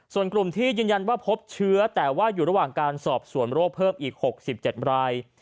ส่วนกลุ่มที่ยืนยันว่าพบเชื้อแต่ว่าอยู่ระหว่างการสอบส่วนโรคเพิ่มอีก๖๗ราย